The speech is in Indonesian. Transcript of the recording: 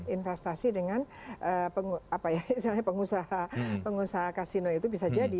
investasi dengan pengusaha kasino itu bisa jadi